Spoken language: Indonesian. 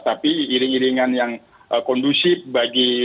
tapi iring iringan yang kondusif bagi